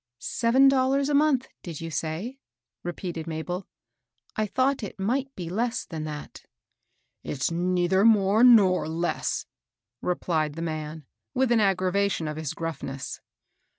" Seven dollars a month, did you say ?" re peated Mabel. '^I thought it might be less than that." ^^ It's neither n^ore nor less," replied the man, with an aggravation of his grufihess.